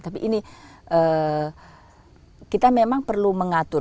tapi ini kita memang perlu mengatur